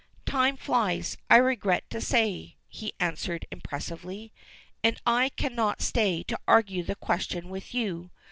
"Time flies, I regret to say," he answered impressively, "and I cannot stay to argue the question with you.